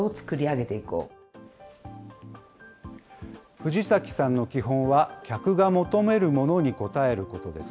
藤崎さんの基本は、客が求めるものに応えることです。